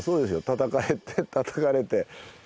たたかれてたたかれて。